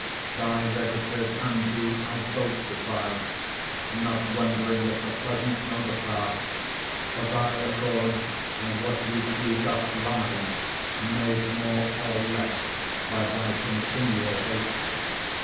Thy registers and thee I both defy, Not wondering at the present nor the past, For thy records and what we see doth lie, Made more or less by thy continual haste.